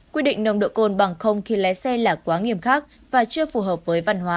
quy định nồng độ cồn bằng không khi lái xe là quá nghiêm khắc và chưa phù hợp với văn hóa